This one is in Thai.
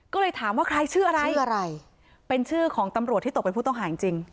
ก็เลยถามว่าใครชื่ออะไรชื่ออะไรเป็นชื่อของตำรวจที่ตกเป็นผู้ต้องหาจริงจริง